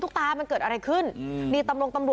ตุ๊กตาจะไม่พูดกับ๑กับ๒